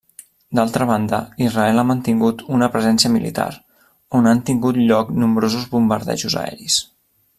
D'altra banda Israel ha mantingut una presència militar, on han tingut lloc nombrosos bombardejos aeris.